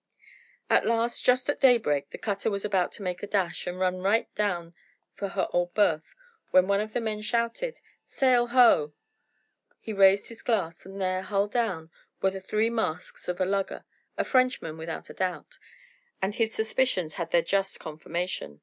At last, just at daybreak, the cutter was about to make a dash, and run right down for her old berth, when one of the men shouted "Sail ho!" He raised his glass, and there, hull down, were the three masts of a lugger, a Frenchman without a doubt, and his suspicions had their just confirmation.